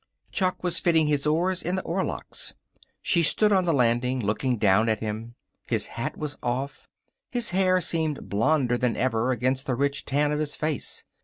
Chuck was fitting his oars in the oarlocks. She stood on the landing looking down at him. His hat was off. His hair seemed blonder than ever against the rich tan of his face.